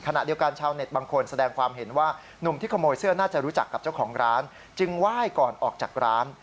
ขณะเดียวกันชาวเน็ตบางคนแสดงความเห็นว่านุ่มที่ขโมยเสื้อน่าจะรู้จักกับเจ้าของร้านจึงไหว้ก่อนออกจากร้าน